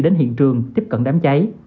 đến hiện trường tiếp cận đám cháy